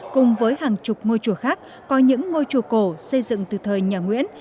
cùng với hàng chục ngôi chùa khác có những ngôi chùa cổ xây dựng từ thời nhà nguyễn